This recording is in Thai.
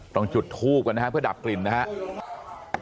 ต้องจุดทูบกันนะฮะเพื่อดับกลิ่นนะครับ